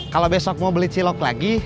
kalau besok mau beli cilok lagi